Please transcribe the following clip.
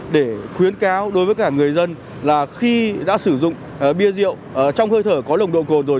để khuyến cáo đối với cả người dân là khi đã sử dụng bia rượu trong hơi thở có nồng độ cồn rồi